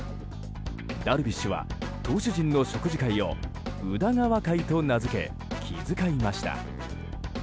ダルビッシュは投手陣の食事会を宇田川会と名付け気遣いました。